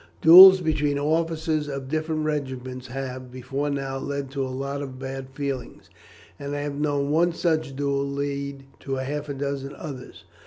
Duels between officers of different regiments have, before now, led to a lot of bad feeling, and I have known one such duel lead to half a dozen others.